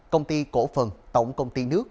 công ty cổ phần tổng công ty nước